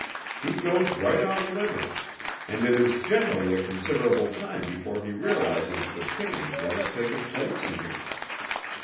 He goes right on living; and it is generally a considerable time before he realizes the change that has taken place in him.